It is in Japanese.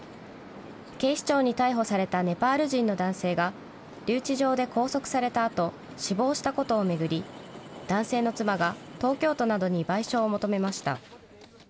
警視庁に逮捕されたネパール人の男性が、留置場で拘束されたあと、死亡したことを巡り、男性の妻が東京都などに賠償を求めました。